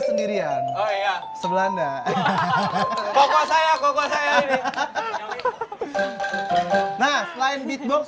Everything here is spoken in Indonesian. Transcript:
sendirian oh ya sebelanda hahaha kok saya kok saya ini nah selain beatbox